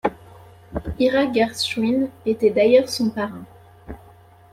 Ira Gershwin était d'ailleurs son parrain.